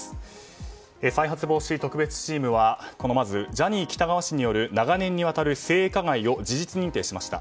再発防止特別チームはまずジャニー喜多川氏による長年にわたる性加害を事実認定しました。